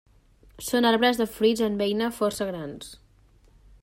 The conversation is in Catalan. Són arbres de fruits en beina força grans.